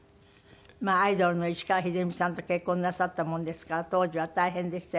まあアイドルの石川秀美さんと結婚なさったもんですから当時は大変でしたよね。